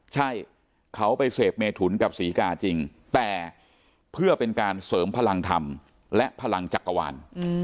ใช่เขาไปเสพเมถุนกับศรีกาจริงแต่เพื่อเป็นการเสริมพลังธรรมและพลังจักรวาล